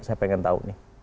saya pengen tahu nih